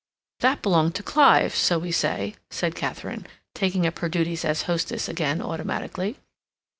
"That belonged to Clive, so we say," said Katharine, taking up her duties as hostess again automatically.